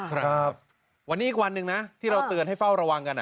ครับวันนี้อีกวันหนึ่งนะที่เราเตือนให้เฝ้าระวังกัน